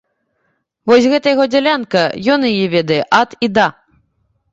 Вось гэта яго дзялянка, ён яе ведае ад і да.